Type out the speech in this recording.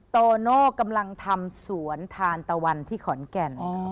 โตโน่กำลังทำสวนทานตะวันที่ขอนแก่น